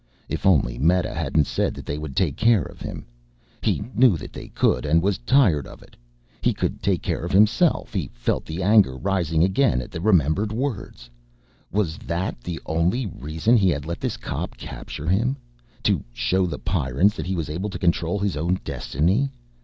If only Meta hadn't said that they would take care of him; he knew they could and was tired of it. He could take care of himself: he felt the anger rising again at the remembered words. Was that the only reason he had let this cop capture him? To show the Pyrrans that he was able to control his own destiny?